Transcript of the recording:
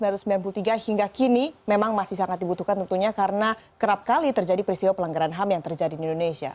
tahun seribu sembilan ratus sembilan puluh tiga hingga kini memang masih sangat dibutuhkan tentunya karena kerap kali terjadi peristiwa pelanggaran ham yang terjadi di indonesia